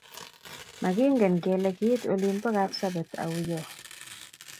Makingen kele kiit olin po Kapsabet auyo.